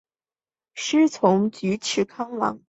师从菊池康郎。